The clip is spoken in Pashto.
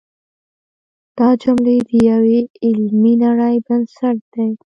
دا جملې د یوې علمي نړۍ بنسټ دی.